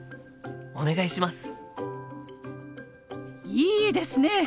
いいですね！